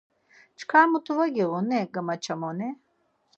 Çkar mutu var giğun-i gamaçamoni?